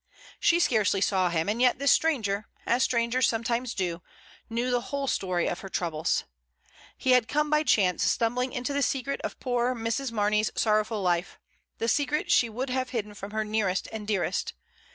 She scarcely saw him, and yet this stranger, as strangers sometimes do, knew the whole story of her troubles. He had come by chance stumbling into the secret of poor Mrs. Mar ney's sorrowful life — the secret she would have hid den from her nearest and dearest.